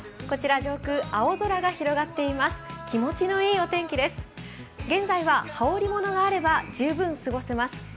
こちら上空、青空が広がっています。